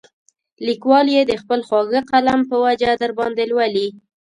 لیکوال یې د خپل خواږه قلم په وجه درباندې لولي.